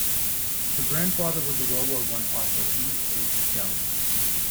Her grandfather was the World War One author E. H. Jones.